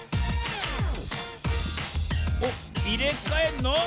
おっいれかえんの？